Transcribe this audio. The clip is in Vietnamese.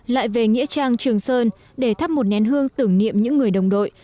lại về nghĩa trang trường sơn để thắp một nén hương tưởng niệm những người đồng đội